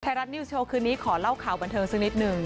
รัฐนิวสโชว์คืนนี้ขอเล่าข่าวบันเทิงสักนิดหนึ่ง